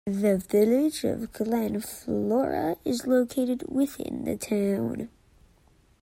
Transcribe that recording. The village of Glen Flora is located within the town.